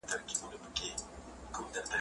موږ باید د خپلو مشرانو ارمانونو ته درناوی وکړو.